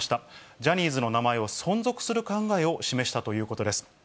ジャニーズの名前を存続する考えを示したということです。